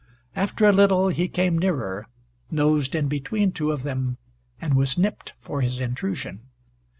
After a little he came nearer, nosed in between two of them, and was nipped for his intrusion.